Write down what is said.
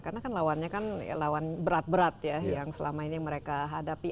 karena lawannya kan lawan berat berat ya yang selama ini mereka hadapi